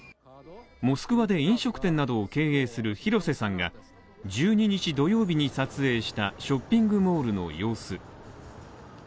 モスクワで飲食店などを経営する広瀬さんが１２日土曜日に撮影したショッピングモールの様子。